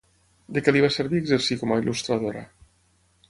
De què li va servir exercir com a il·lustradora?